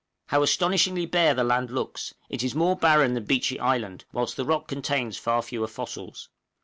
How astonishingly bare the land looks; it is more barren than Beechey Island, whilst the rock contains far fewer fossils!